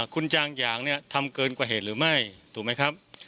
คุณจางหยางเนี่ยทำเกินกว่าเหตุหรือไม่ถูกไหมครับ